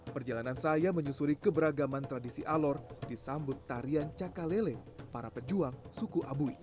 perjalanan saya menyusuri keberagaman tradisi alor disambut tarian cakalele para pejuang suku abui